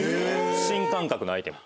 新感覚のアイテム。